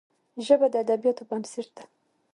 ژبه د ادبياتو بنسټ ده